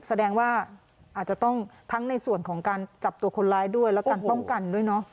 แสดงว่าอาจจะต้องทั้งในส่วนของการจับตัวคนร้ายด้วยและการป้องกันด้วยเนอะ